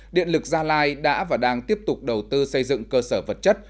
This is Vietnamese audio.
điện lực gia lai đã và đang tiếp tục đầu tư xây dựng cơ sở vật chất